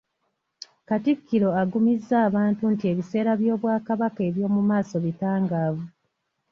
Katikkiro agumizza abantu nti ebiseera by'Obwakabaka eby'omumaaso bitangaavu